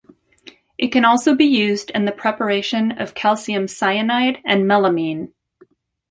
It can also be used in the preparation of calcium cyanide and melamine.